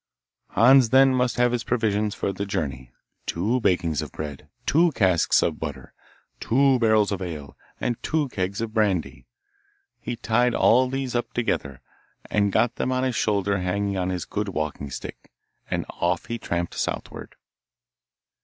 Hans then must have his provisions for the journey; two bakings of bread, two casks of butter, two barrels of ale, and two kegs of brandy. He tied all these up together, and got them on his shoulder hanging on his good walking stick, and off he tramped southward.